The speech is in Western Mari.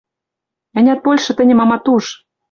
Ӓнят, большы тӹньӹм амат уж.